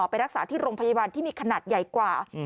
ไปรักษาที่โรงพยาบาลที่มีขนาดใหญ่กว่า